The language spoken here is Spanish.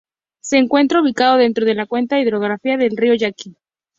Se encuentra ubicado dentro de la cuenca hidrográfica del Río Yaqui.